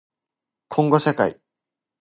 こんごしゃかい